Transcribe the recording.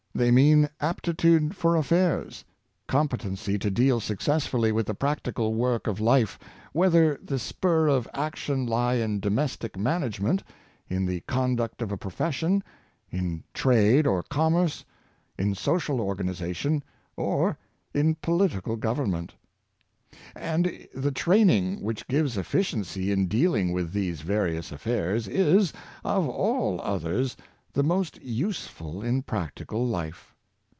They mean aptitude for affairs, competency to deal successfully with the practical work of life — wheth er the spur of action lie in domestic management, in the conduct of a profession, in trade or commerce, in social organization, or in political government. And the train ing which gives efficiency in dealing with these various affairs is, of all others, the most useful in practical life.